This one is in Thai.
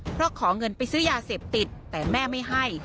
เพราะขอเงินไปซื้อยาเสพติดแต่แม่ไม่ให้